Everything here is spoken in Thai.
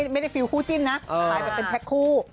ไม่ได้ฟิวคู่จิ้นนะขายเป็นแพ็คคู่